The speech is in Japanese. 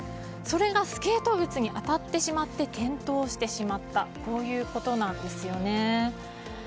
それがスケート靴に当たってしまって転倒してしまったということなんですよね。